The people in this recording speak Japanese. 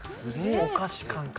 お菓子感覚。